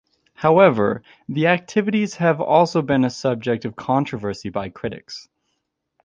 However, the activities have also been a subject of controversy by critics.